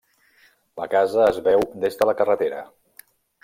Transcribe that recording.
La casa es veu des de la carretera.